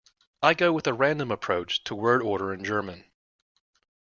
I go with a random approach to word order in German.